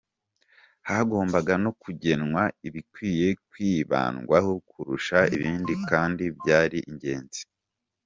Hagombaga no kugenwa ibikwiye kwibandwaho kurusha ibindi kandi byari ingenzi.